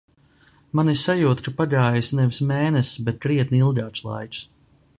Man ir sajūta, ka pagājis nevis mēnesis, bet krietni ilgāks laiks.